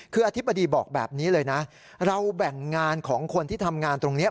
คืออธิบดีบอกแบบนี้เลยนะเราแบ่งงานของคนที่ทำงานตรงนี้